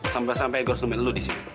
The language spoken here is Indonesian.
sampai sampai gosumen lu disini